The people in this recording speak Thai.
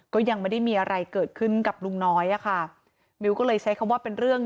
ก็ยังไม่ได้มีอะไรเกิดขึ้นกับลุงน้อยอะค่ะมิวก็เลยใช้คำว่าเป็นเรื่อง